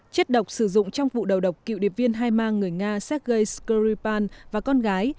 chất độc sử dụng trong vụ đầu độc cựu điệp viên hai mang người nga sergei skripal và con gái